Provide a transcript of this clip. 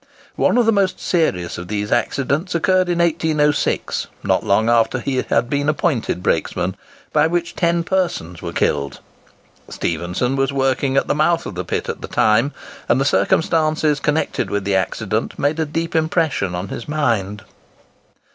One of the most serious of these accidents occurred in 1806, not long after he had been appointed brakesman, by which 10 persons were killed. Stephenson was working at the mouth of the pit at the time, and the circumstances connected with the accident made a deep impression on his mind.